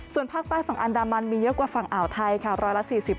ส่วนภาคใต้ฝั่งอันดามันมีเยอะกว่าฝั่งอ่าวไทย